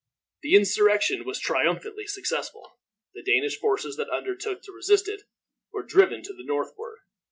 This insurrection was triumphantly successful. The Danish forces that undertook to resist it were driven to the northward.